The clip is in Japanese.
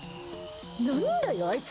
何だよ、あいつ！